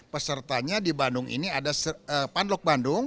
pesertanya di bandung ini ada pandlock bandung